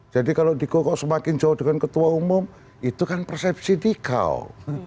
jadi kalau dikokok semakin jauh dengan ketua umum itu kan persepsi dikau